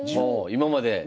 今まで。